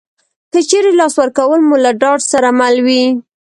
که چېرې لاس ورکول مو له ډاډ سره مل وي